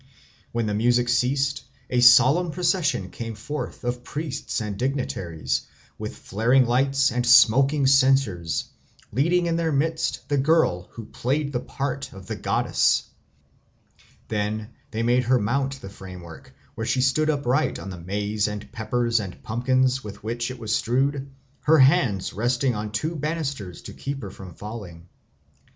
When the music ceased, a solemn procession came forth of priests and dignitaries, with flaring lights and smoking censers, leading in their midst the girl who played the part of the goddess. Then they made her mount the framework, where she stood upright on the maize and peppers and pumpkins with which it was strewed, her hands resting on two bannisters to keep her from falling.